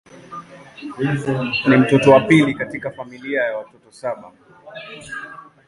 Ni mtoto wa pili katika familia ya watoto saba.